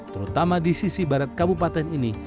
terutama di sisi barat kabupaten ini